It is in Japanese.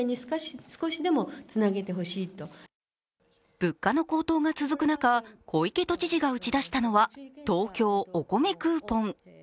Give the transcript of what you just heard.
物価の高騰が続く中、小池都知事が打ち出したのは東京おこめクーポン。